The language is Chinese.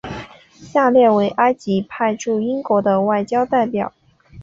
下列为埃及派驻英国的外交代表。